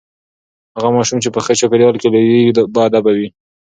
هغه ماشوم چې په ښه چاپیریال کې لوییږي باادبه وي.